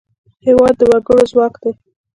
هېواد د وګړو ځواک دی.